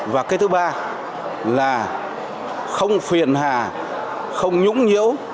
và cái thứ ba là không phiền hà không nhũng nhiễu